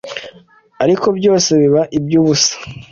ariko byose biba iby'ubusa